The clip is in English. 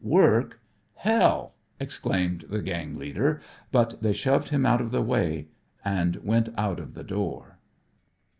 "Work! Hell!" exclaimed the gang leader, but they shoved him out of the way and went out of the door.